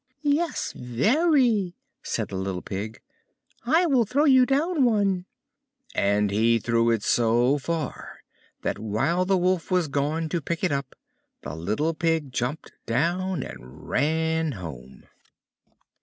"Yes, very," said the little Pig; "I will throw you down one." And he threw it so far that, while the Wolf was gone to pick it up, the little Pig jumped down and ran home.